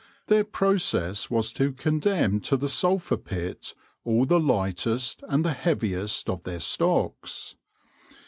Their process was to condemn to the sulphur pit all the lightest and the heaviest of their stocks.